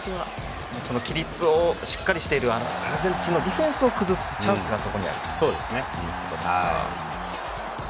規律をしっかりしているアルゼンチンのディフェンスを崩していくチャンスがそこにあるということですね。